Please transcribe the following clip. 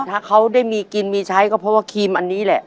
ถ้าเขาได้มีกินมีใช้ก็เพราะว่าครีมอันนี้แหละ